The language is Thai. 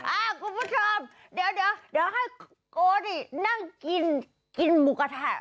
คุณผู้ชมเดี๋ยวเดี๋ยวให้โกดินั่งกินกินหมูกระทะ